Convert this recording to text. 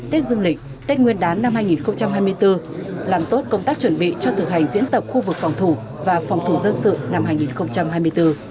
tết dương lịch tết nguyên đán năm hai nghìn hai mươi bốn làm tốt công tác chuẩn bị cho thực hành diễn tập khu vực phòng thủ và phòng thủ dân sự năm hai nghìn hai mươi bốn